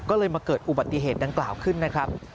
ก็เลยมาเกิดอุบัติเหตุดังกล่าวขึ้นนะครับ